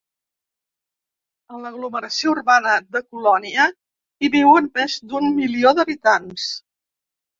A l'aglomeració urbana de Colònia hi viuen més d'un milió d'habitants.